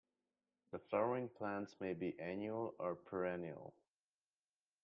The flowering plants may be annual or perennial.